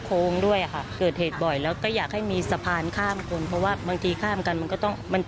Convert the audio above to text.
โพงด้วยนะคะเคยให้สมัยแล้วเขาอยากให้มีสะพานข้ามคนเป็นที่ให้ท่านกันก็ต้องมันเป็น